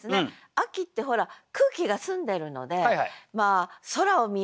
秋ってほら空気が澄んでるので空を見上げる。